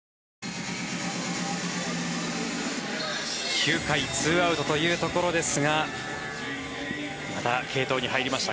９回２アウトというところですがまた継投に入りました。